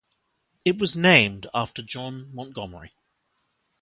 It was named after John Montgomery.